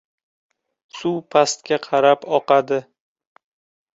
• Suv pastga qarab oqadi.